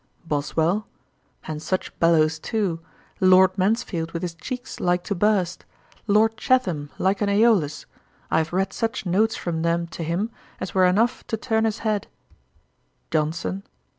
BOSWELL. 'And such bellows too. Lord Mansfield with his cheeks like to burst: Lord Chatham like an Ãolus. I have read such notes from them to him, as were enough to turn his head.' JOHNSON.